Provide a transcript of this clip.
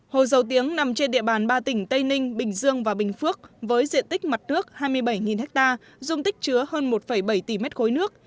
hồ dầu tiếng nằm trên địa bàn ba tỉnh tây ninh bình dương và bình phước với diện tích mặt nước hai mươi bảy ha dung tích chứa hơn một bảy tỷ m ba nước